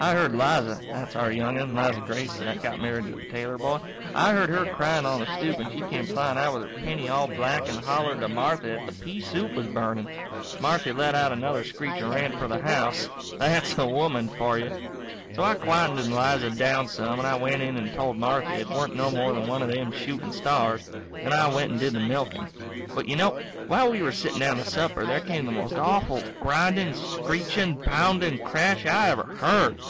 I heard Liza that's our young un, Liza Grace, that got married to the Taylor boy. I heard her crying on the stoop, and she came flying out with her pinny all black and hollered to Marthy that the pea soup was burning. Marthy let out another screech and ran for the house. That's a woman for you. So I quietened Liza down some and I went in and told Marthy it weren't no more than one of them shooting stars. Then I went and did the milking. But you know, while we were sitting down to supper there came the most awful grinding, screeching, pounding crash I ever heard.